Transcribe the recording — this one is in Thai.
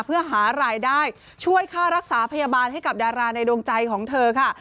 เพื่อหารายได้ช่วยค่ารักษาพยาบาลให้กับดาราในดวงใจของเธอค่ะ